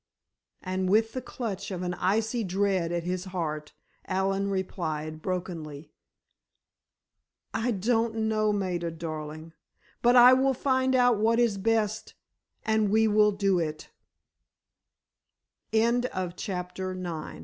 And with the clutch of an icy dread at his heart, Allen replied, brokenly, "I don't know, Maida, darling, but I will find out what is best, and we will do it——" CHAPTER X THE PHANTOM BUGL